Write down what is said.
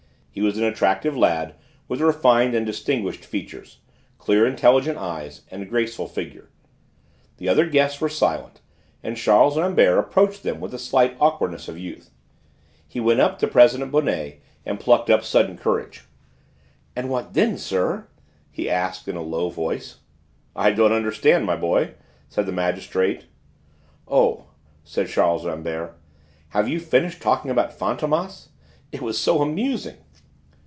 He was an attractive lad with refined and distinguished features, clear, intelligent eyes, and graceful figure. The other guests were silent, and Charles Rambert approached them with the slight awkwardness of youth. He went up to President Bonnet and plucked up sudden courage. "And what then, sir?" he asked in a low tone. "I don't understand, my boy," said the magistrate. "Oh!" said Charles Rambert, "have you finished talking about Fantômas? It was so amusing!"